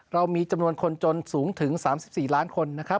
เรามีจำนวนคนจนสูงถึง๓๔ล้านคนนะครับ